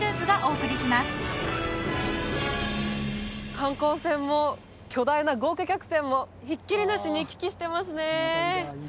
観光船も巨大な豪華客船もひっきりなしに行き来してますね